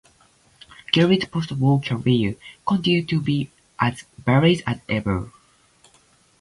Gibbs' post-war career continued to be as varied as ever.